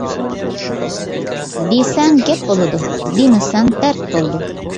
دىسەڭ گەپ بولىدۇ، دىمىسەڭ دەرد بولىدۇ.